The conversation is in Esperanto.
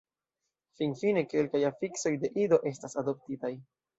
Finfine kelkaj afiksoj de Ido estas adoptitaj.